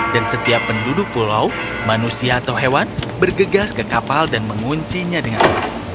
dan setiap penduduk pulau manusia atau hewan bergegas ke kapal dan menguncinya dengan api